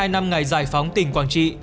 năm mươi hai năm ngày giải phóng tỉnh quảng trị